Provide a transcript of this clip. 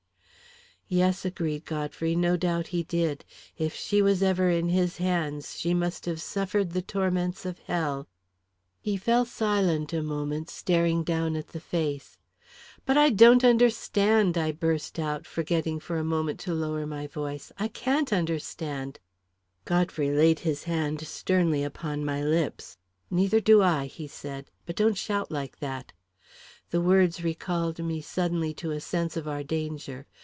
"Yes," agreed Godfrey, "no doubt he did. If she was ever in his hands, she must have suffered the torments of hell." He fell silent a moment, staring down at the face. "But I don't understand," I burst out, forgetting for a moment to lower my voice; "I can't understand " Godfrey laid his hand sternly upon my lips. "Neither do I," he said; "but don't shout like that." The words recalled me suddenly to a sense of our danger.